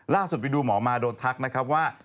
ล่าสุดไปดูหมอมาโดนทักนะครับว่า